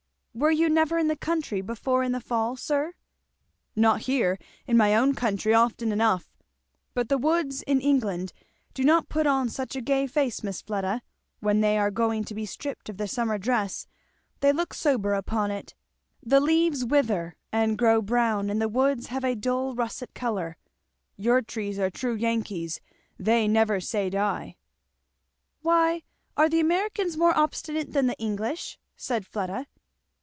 "Were you never in the country before in the fall, sir?" "Not here in my own country often enough but the woods in England do not put on such a gay face, Miss Fleda, when they are going to be stripped of their summer dress they look sober upon it the leaves wither and grow brown and the woods have a dull russet colour. Your trees are true Yankees they 'never say die!'" "Why, are the Americans more obstinate than the English?" said Fleda.